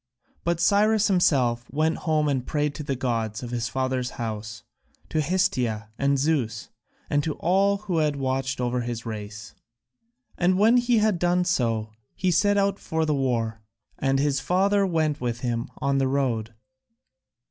But Cyrus himself went home and prayed to the gods of his father's house, to Hestia and Zeus, and to all who had watched over his race. And when he had done so, he set out for the war, and his father went with him on the road.